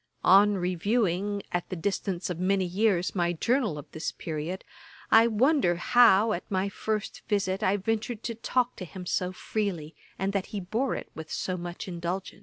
On reviewing, at the distance of many years, my journal of this period, I wonder how, at my first visit, I ventured to talk to him so freely, and that he bore it with so much indulgence.